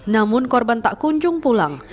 namun korban tak kunjung pulang